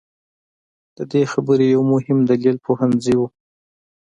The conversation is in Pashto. د دې خبرې یو مهم دلیل پوهنځي وو.